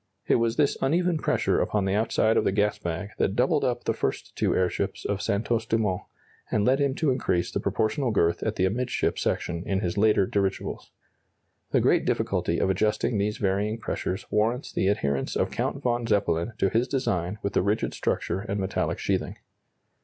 It was this uneven pressure upon the outside of the gas bag that doubled up the first two airships of Santos Dumont, and led him to increase the proportional girth at the amidship section in his later dirigibles. The great difficulty of adjusting these varying pressures warrants the adherence of Count von Zeppelin to his design with the rigid structure and metallic sheathing.